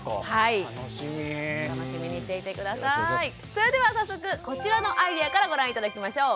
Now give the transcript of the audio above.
それでは早速こちらのアイデアからご覧頂きましょう。